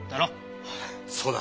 そうだ！